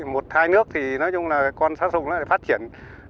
một hai nước thì nói chung là con sát sùng nó lại phát triển